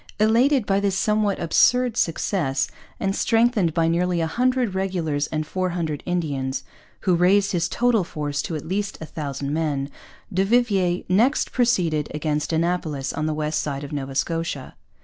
Elated by this somewhat absurd success, and strengthened by nearly a hundred regulars and four hundred Indians, who raised his total force to at least a thousand men, du Vivier next proceeded against Annapolis on the west side of Nova Scotia.